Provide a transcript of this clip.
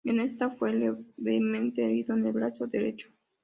En esta fue levemente herido en el brazo derecho.